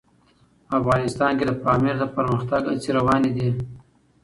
افغانستان کې د پامیر د پرمختګ هڅې روانې دي.